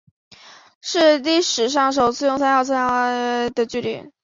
是历史上首次用三角测量的方法量测地月间的距离。